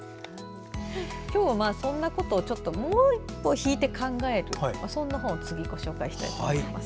今日はそんなことをもう一歩引いて考えるそんな本を次にご紹介します。